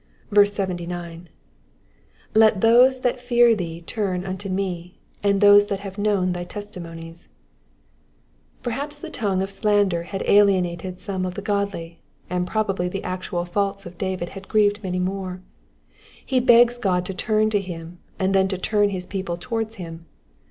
79. ''Let those that fear thee turn unto me^ and those that hone hnown thy testimonies,'*'* Perhaps the tongue of slander had alienated some of the fodly, and probably the actual faults of David had grieved many more. He egs God to turn to him, and then to turn his people towards him.